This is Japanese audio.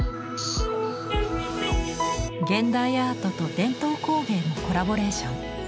現代アートと伝統工芸のコラボレーション。